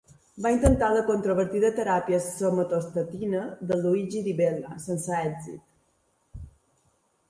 Va intentar la controvertida teràpia somatostatina de Luigi Di Bella, sense èxit.